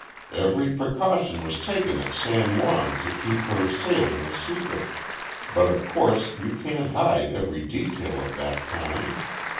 Every precaution was taken at San Juan to keep her sailing a secret, but of course you can't hide every detail of that kind.